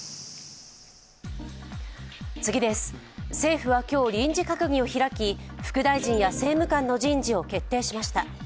政府は今日、臨時閣議を開き副大臣や政務官の人事を決定しました。